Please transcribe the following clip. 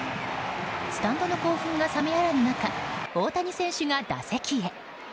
スタンドの興奮が冷めやらぬ中大谷選手が打席へ。